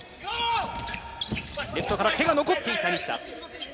レフトから手が残っていた西田！